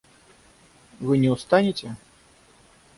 Вы не устанете?